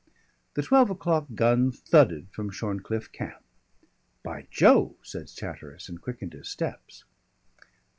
The twelve o'clock gun thudded from Shornecliffe Camp. "By Jove!" said Chatteris, and quickened his steps.